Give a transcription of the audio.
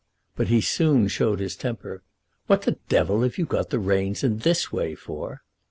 But he soon showed his temper. "What the devil have you got the reins in this way for?"